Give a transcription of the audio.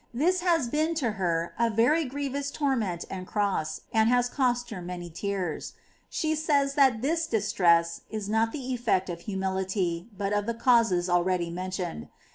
^ This has been to her a very grievous torment and cross, and has cost her many tears. She says that this distress is not the efPect of humility, but of the causes already mentioned.